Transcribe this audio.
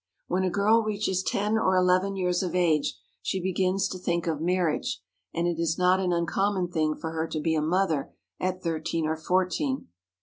When a girl reaches ten or eleven years of age she be gins to think of marriage, and it is not an uncommon thing for her to be a mother at thirteen or fourteen.